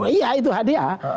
iya itu hadiah